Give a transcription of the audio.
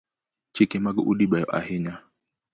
Chike mag udi beyo ahinya